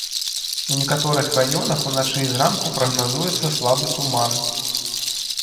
У некаторых раёнах уначы і зранку прагназуецца слабы туман.